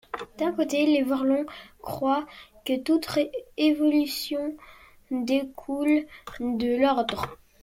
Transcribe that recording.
D'un côté, les Vorlons croient que toute évolution découle de l'ordre.